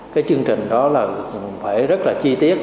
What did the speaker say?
cái chương trình đó là phải rất là chi tiết